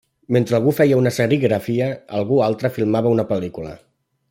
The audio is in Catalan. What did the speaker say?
Mentre algú feia una serigrafia, algú altre filmava una pel·lícula.